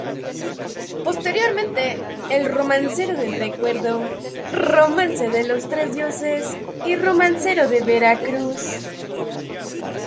Posteriormente, el "Romancero del Recuerdo", "Romance de los tres Dioses" y "Romancero de Veracruz".